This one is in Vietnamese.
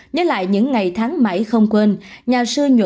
nhớ lại những ngày tháng mãi không quên